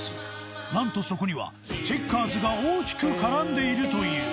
なんとそこにはチェッカーズが大きく絡んでいるという。